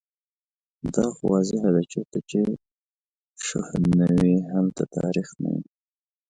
دا خو واضحه ده چیرته چې شوهد نه وي، هلته تاریخ نه وي